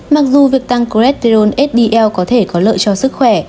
mặc dù việc tăng choletern sdl có thể có lợi cho sức khỏe